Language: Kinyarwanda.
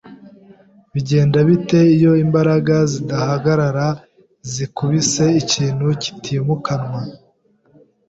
Bigenda bite iyo imbaraga zidahagarara zikubise ikintu kitimukanwa?